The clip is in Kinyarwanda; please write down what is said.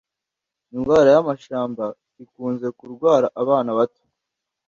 indwara y'amashamba ikunze kurwara abana bato